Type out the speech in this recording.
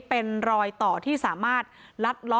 เป็นรอยต่อที่สามารถลัดล้อ